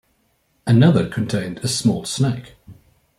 Another contained a small snake.